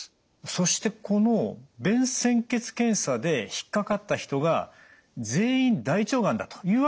そしてこの便潜血検査で引っ掛かった人が全員大腸がんだというわけではないんですね。